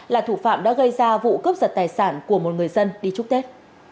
là thủ phạm đã gây ra vụ cướp giật tài sản của một người dân đi chúc tết